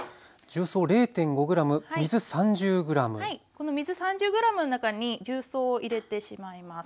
この水３０ｇの中に重曹を入れてしまいます。